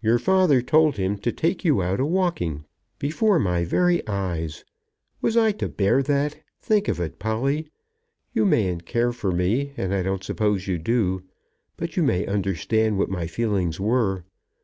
"Your father told him to take you out a walking before my very eyes! Was I to bear that? Think of it, Polly. You mayn't care for me, and I don't suppose you do; but you may understand what my feelings were.